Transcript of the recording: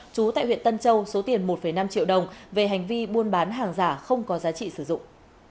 chú tại huyện tân châu số tiền một năm triệu đồng về hành vi buôn bán hàng giả không có giá trị sử dụng